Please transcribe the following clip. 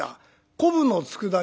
「昆布のつくだ煮」。